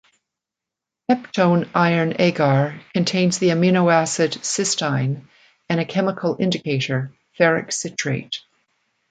Peptone iron agar contains the amino acid cysteine and a chemical indicator, ferric citrate.